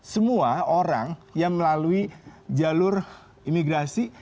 semua orang yang melalui jalur imigrasi